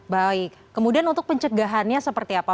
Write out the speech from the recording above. baik kemudian untuk pencegahannya seperti apa